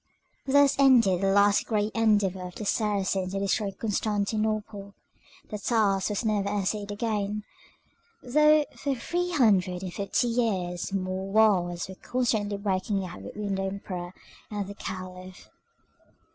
Thus ended the last great endeavour of the Saracen to destroy Constantinople. The task was never essayed again, though for three hundred and fifty years more wars were constantly breaking out between the Emperor and the Caliph.